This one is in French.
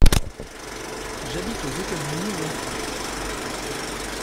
J’habite aux États-Unis ou en France.